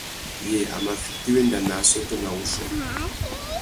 Yê a mà fiti wenda nà assôtô nà wuchiô?